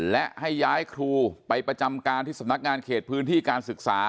และให้ย้ายครูไปประจำการที่สำนักงานเขตพื้นที่การศึกษา